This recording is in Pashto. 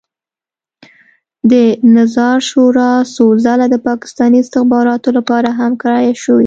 د نظار شورا څو ځله د پاکستاني استخباراتو لپاره هم کرایه شوې.